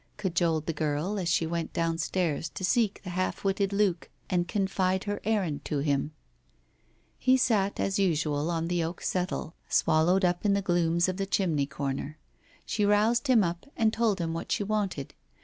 " cajoled the girl as she went down stairs to seek the half witted Luke and confide her errand to him. He sat, as usual, on the oak settle, swallowed up in Digitized by Google 168 TALES OF THE UNEASY the glooms of the chimney corner. She roused him up, and told him what she wanted.